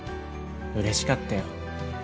うれしかったよ。